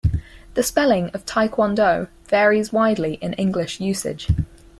The spelling of "taekwondo" varies widely in English usage.